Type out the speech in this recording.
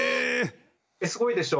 すごいでしょ？